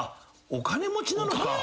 お金持ちなんや。